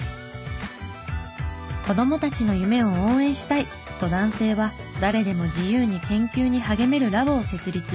子供たちの夢を応援したいと男性は誰でも自由に研究に励めるラボを設立。